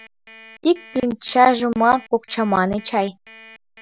Ик кленчажымак ок чамане чай.